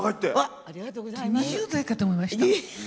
２０代かと思いました。